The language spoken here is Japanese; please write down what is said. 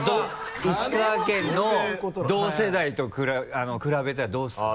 石川県の同世代と比べたらどうですか？